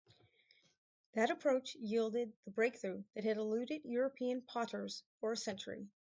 That approach yielded the breakthrough that had eluded European potters for a century.